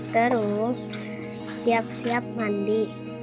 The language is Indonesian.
terus siap siap mandi